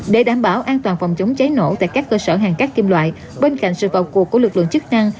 để đảm bảo an toàn phòng chống cháy nổ tại các cơ sở hàng cắt kim loại bên cạnh sự vào cuộc của lực lượng chức năng